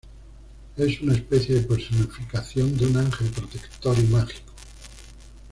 Es una especie de personificación de un ángel protector y mágico.